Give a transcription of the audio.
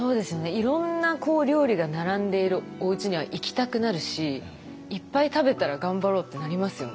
いろんな料理が並んでいるおうちには行きたくなるしいっぱい食べたら頑張ろうってなりますよね